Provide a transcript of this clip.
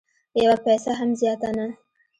یوه پیسه هم زیاته نه